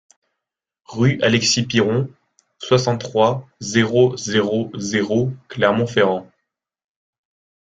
Rue Alexis Piron, soixante-trois, zéro zéro zéro Clermont-Ferrand